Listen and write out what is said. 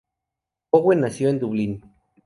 Bowen nació en Dublín.